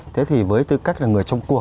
thế thì với tư cách là người trông khỏe